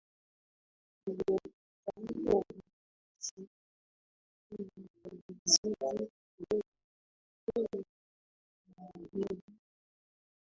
iliyoleta uvamizi wa Marekani ilizidi kuleta vifo na uharibifu